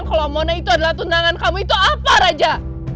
kalo mona itu adalah tunangan kamu itu apa raja